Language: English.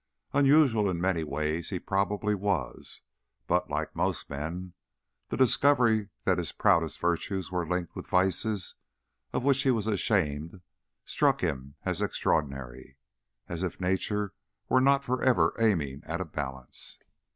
Unusual in many ways he probably was, but, like most men, the discovery that his proudest virtues were linked with vices of which he was ashamed struck him as extraordinary. As if nature were not forever aiming at a balance.